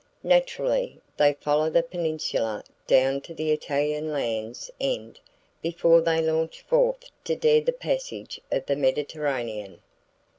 Naturally, they follow the peninsula down to the Italian Land's End before they launch forth to dare the passage of the Mediterranean.